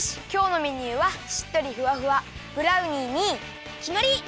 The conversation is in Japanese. きょうのメニューはしっとりふわふわブラウニーにきまり！